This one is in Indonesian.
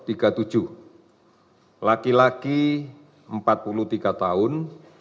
nomor tiga puluh tujuh laki laki empat puluh tiga tahun